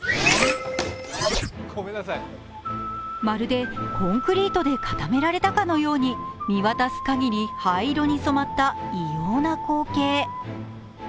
まるでコンクリートで固められたかのように見渡す限り灰色に染まった異様な光景。